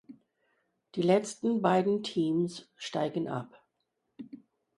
Die letzten beiden Teams steigen ab.